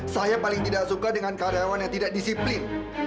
saya paling tidak suka dengan karyawan yang tidak disiplin